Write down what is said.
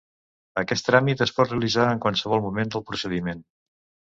Aquest tràmit es pot realitzar en qualsevol moment del procediment.